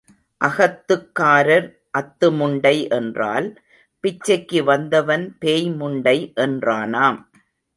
அகத்துக்காரர் அத்து முண்டை என்றால், பிச்சைக்கு வந்தவன் பேய் முண்டை என்றானாம்.